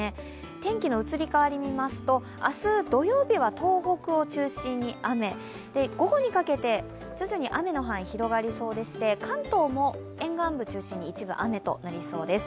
天気の移り変わりを見ますと明日土曜日は東北を中心に雨午後にかけて徐々に雨の範囲広がりそうでして関東も沿岸部を中心に一部雨となりそうです。